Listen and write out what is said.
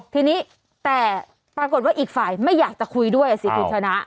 ทีนี้แต่ปรากฏว่าอีกฝ่ายไม่อยากจะคุยด้วยสิคุณชนะ